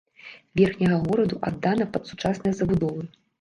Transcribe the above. Верхняга гораду аддана пад сучасныя забудовы.